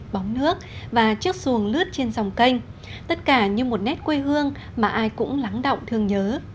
bóng nước và chiếc xuồng lướt trên dòng canh tất cả như một nét quê hương mà ai cũng lắng động thương nhớ